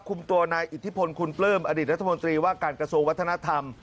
คุมตัวนายอิทธิพลคุณปลื้มอดีตรัฐมนตรีว่าการกระทรวงวัฒนธรรม